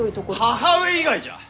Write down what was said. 母上以外じゃ！